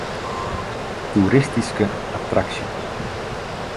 Toeristyske attraksje.